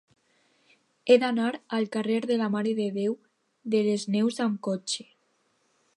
He d'anar al carrer de la Mare de Déu de les Neus amb cotxe.